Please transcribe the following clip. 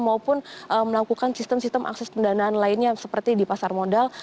maupun melakukan sistem sistem akses pendanaan lainnya seperti di pasar modal